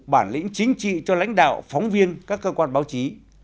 bản lĩnh chính trị cho lãnh đạo phóng viên các cơ quan báo chí